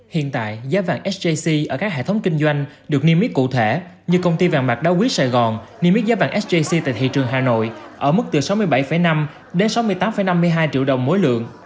hiện tại giá vàng sjc ở các hệ thống kinh doanh được niêm yết cụ thể như công ty vàng bạc đá quý sài gòn niêm yết giá vàng sjc tại thị trường hà nội ở mức từ sáu mươi bảy năm đến sáu mươi tám năm mươi hai triệu đồng mỗi lượng